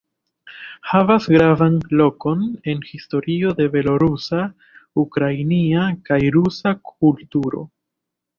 Havas gravan lokon en historio de belorusa, ukrainia kaj rusa kulturo.